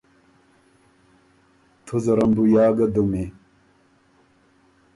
تُو زرم بُو یا ګه دُمي۔